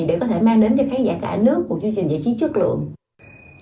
để có thể mang đến cho khán giả cả nước một chương trình giải trí chất lượng